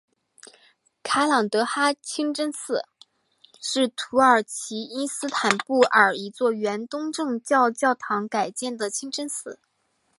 卡朗德哈清真寺是土耳其伊斯坦布尔一座原东正教教堂改建的清真寺。